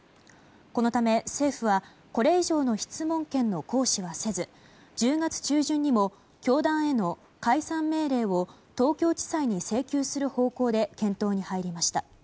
このため政府は、これ以上の質問権の行使はせず１０月中旬にも教団への解散命令を東京地裁に請求する方向で検討に入りました。